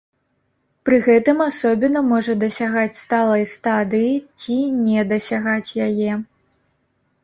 Пры гэтым асобіна можа дасягаць сталай стадыі ці не дасягаць яе.